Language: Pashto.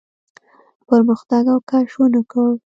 پرمختګ او کش ونه کړ.